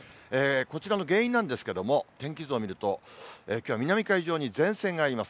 こちらの原因なんですけれども、天気図を見ると、南海上に前線があります。